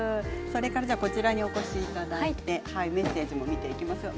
こちらにお越しいただいてメッセージも見ていきましょう。